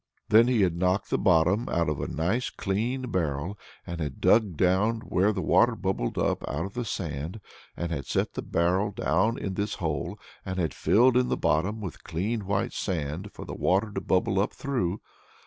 Then he had knocked the bottom out of a nice clean barrel and had dug down where the water bubbled up out of the sand and had set the barrel down in this hole and had filled in the bottom with clean white sand for the water to bubble up through.